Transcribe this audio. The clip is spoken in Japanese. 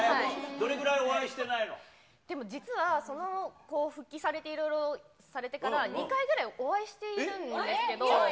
どれぐらいお会でも実はその、復帰されてからいろいろされてから２回ぐらいお会いしてるんですけど。